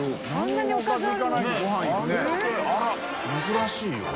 珍しいよ。